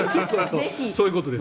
そういうことですね。